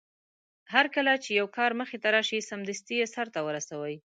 هرکله چې يو کار مخې ته راشي سمدستي يې سرته ورسوي.